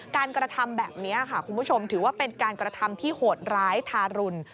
การกระทำแบบนี้ค่ะคุณผู้ชมถือว่าเป็นการกระทำที่โหดร้ายทารุณ